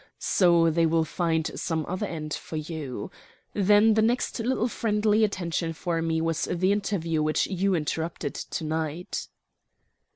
So they will find some other end for you. Then the next little friendly attention for me was the interview which you interrupted to night."